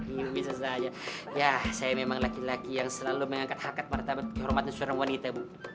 iya bisa saja ya saya memang laki laki yang selalu mengangkat hakikat martabat kehormatan suara wanita